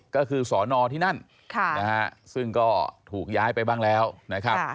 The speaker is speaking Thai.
ก็คือสอนอที่นั่นซึ่งก็ถูกย้ายไปบ้างแล้วนะครับ